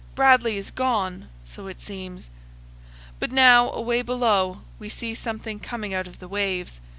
Bradley is gone! so it seems. But now, away below, we see something coming out of the waves.